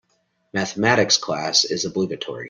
Mathematics class is obligatory.